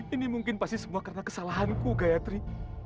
ini mungkin pasti semua karena kesalahanku gayatri